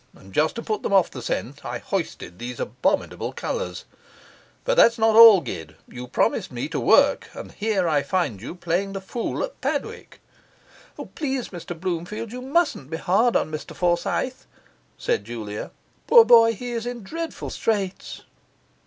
And just to put them off the scent I hoisted these abominable colours. But that is not all, Gid; you promised me to work, and here I find you playing the fool at Padwick.' 'Please, Mr Bloomfield, you must not be hard on Mr Forsyth,' said Julia. 'Poor boy, he is in dreadful straits.